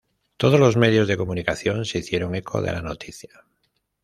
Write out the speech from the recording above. Todos los medios de comunicación se hicieron eco de la noticia.